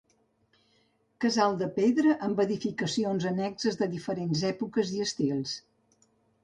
Casal de pedra amb edificacions annexes de diferents èpoques i estils.